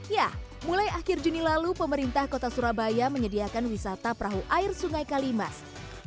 ya mulai akhir juni lalu pemerintah kota surabaya menyediakan wisata perahu air sungai kalimas